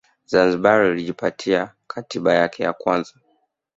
Zanzibar ilijipatia Katiba yake ya kwanza